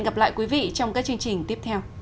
hẹn gặp lại quý vị trong các chương trình tiếp theo